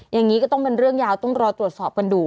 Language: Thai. อย่างนี้ก็ต้องเป็นเรื่องยาวต้องรอตรวจสอบกันดู